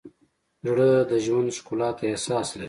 زړه د ژوند ښکلا ته احساس لري.